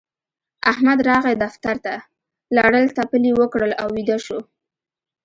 احمد راغی دفتر ته؛ لړل تپل يې وکړل او ويده شو.